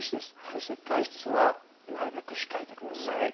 そして外出はなるべく控えるようにしてください。